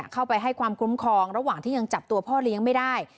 เข้าไปให้ความคุ้มครองระหว่างที่ยังจับตัวพ่อเลี้ยงไม่ได้